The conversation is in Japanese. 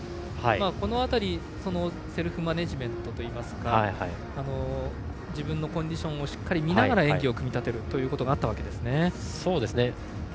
その辺りセルフマネージメントといいますか自分のコンディションをしっかり見ながら演技を組み立てるということがあったわけですね。